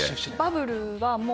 バブルはもう。